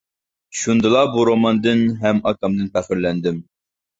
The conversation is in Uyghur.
شۇندىلا بۇ روماندىن ھەم ئاكامدىن پەخىرلەندىم.